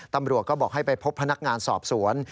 ตำรวจก็บอกให้ไปพบพนักงานสอบสวน